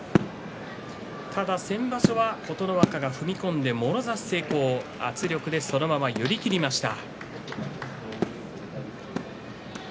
ただ先場所、琴ノ若が踏み込んでもろ差し成功圧力でそのまま寄り切りました。